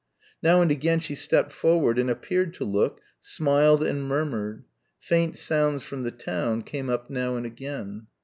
Now and again she stepped forward and appeared to look, smiled and murmured. Faint sounds from the town came up now and again.